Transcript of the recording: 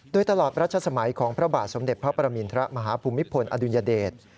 โดยตลอดรัชสมัยของพระบาทสมเด็จพระปรมินทรมาฮภูมิพลอดุลยเดช